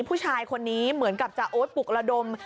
ผู้ชายคนนี้เหมือนกับจะโอ๊ตปลุกระดม